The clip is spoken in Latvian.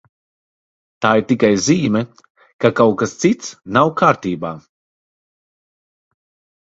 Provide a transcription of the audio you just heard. Tā ir tikai zīme, ka kaut kas cits nav kārtībā.